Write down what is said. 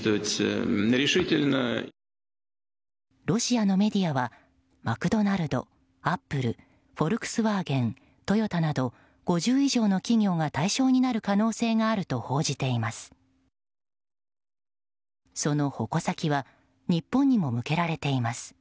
ロシアのメディアはマクドナルド、アップルフォルクスワーゲン、トヨタなど５０以上の企業が対象になる可能性があると報じています。